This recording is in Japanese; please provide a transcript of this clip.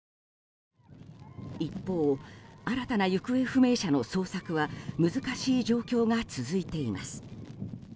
一方、新たな行方不明者の捜索は難しい状況が続いています。